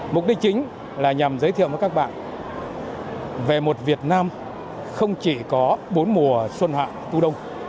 mục đích chính là nhằm giới thiệu với các bạn về một việt nam không chỉ có bốn mùa xuân hạng tu đông